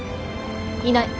いない。